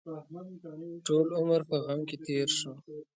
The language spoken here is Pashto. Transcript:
ټول عمر په غم کې تېر شو.